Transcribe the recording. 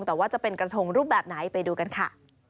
แต่ว่าจะเป็นกระทงรูปแบบไหนไปดูกันค่ะ